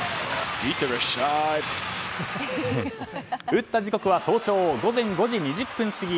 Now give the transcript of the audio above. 打った時刻は早朝午前５時２０分過ぎ。